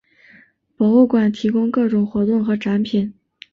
博物馆提供各种活动和展品。